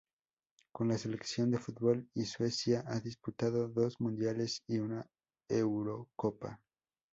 Con la selección de fútbol de Suecia ha disputado dos Mundiales y una Eurocopa.